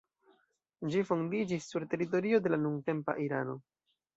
Ĝi fondiĝis sur teritorio de la nuntempa Irano.